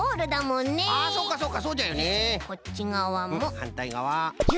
んっはんたいがわ。